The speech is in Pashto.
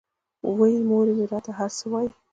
وې ئې مور مې راته هر سحر وائي ـ